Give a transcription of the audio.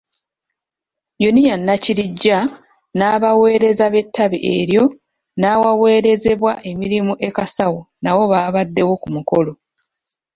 Unia Nakirijja n'abaweereza b'ettabi eryo n'awaweerezebwa emirimu e Kasawo nabo baabaddewo ku mukolo.